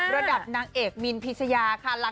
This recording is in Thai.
ระดับนางเอกมินพิชยาค่ะ